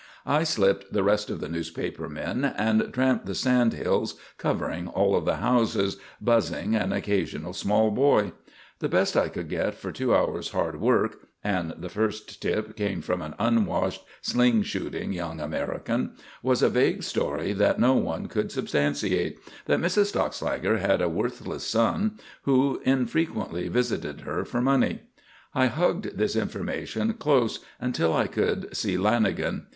I slipped the rest of the newspaper men and tramped the sandhills "covering" all the houses, "buzzing" an occasional small boy. The best I could get for two hours' hard work and the first "tip" came from an unwashed, sling shooting young American was a vague story that no one could substantiate, that Mrs. Stockslager had a worthless son who infrequently visited her for money. I hugged this information close until I could see Lanagan.